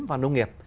và nông nghiệp